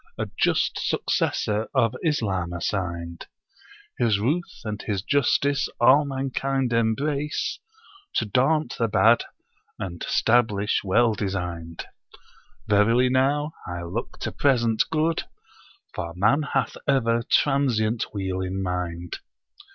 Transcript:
A just successor of Islam assigned. His ruth and his justice all mankind embrace. To daunt the bad and stablish well designed. Verily now, I look to present good, for man hath ever transient weal in mind.'